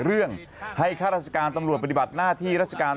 เรื่องให้ข้าราชการตำรวจปฏิบัติหน้าที่ราชการ